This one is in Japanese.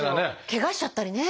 けがしちゃったりね。